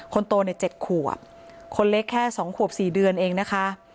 คนโตใน๗ขวบคนเล็กแค่๒ขวบ๔เดือนเองนะคะ